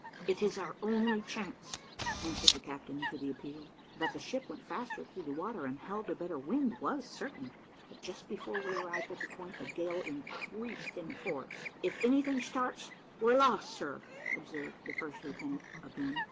"It is our only chance," answered the captain to the appeal. That the ship went faster through the water, and held a better wind, was certain; but just before we arrived at the point, the gale increased in force. "If any thing starts, we are lost, sir," observed the first lieutenant again.